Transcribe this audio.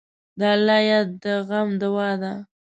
د الله یاد د غم دوا ده.